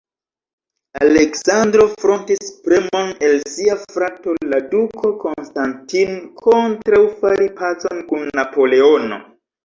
Aleksandro frontis premon el sia frato, la Duko Konstantin, kontraŭ fari pacon kun Napoleono.